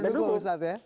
itu baru dukung ustadz ya